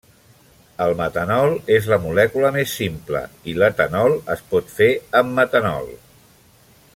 El metanol és la molècula més simple, i l'etanol es pot fer amb metanol.